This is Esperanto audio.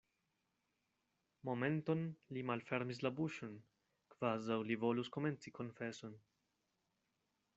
Momenton li malfermis la buŝon, kvazaŭ li volus komenci konfeson.